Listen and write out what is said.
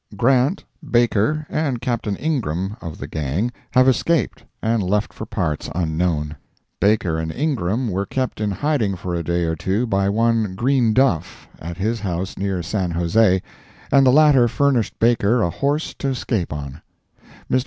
Grant, Baker, and Captain Ingram, of the gang, have escaped, and left for parts unknown. Baker and Ingram were kept in hiding for a day or two by one Green Duff at his house near San Jose, and the latter furnished Baker a horse to escape on. Mr.